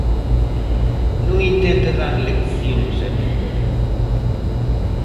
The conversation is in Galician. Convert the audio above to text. Non intente dar leccións a ninguén.